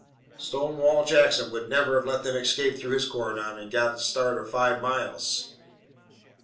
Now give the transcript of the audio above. "Stonewall Jackson would never have let them escape through his cordon and get a start of five miles."